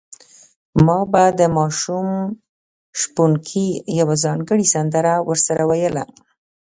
ما به د ماشوم شپونکي یوه ځانګړې سندره ورسره ویله.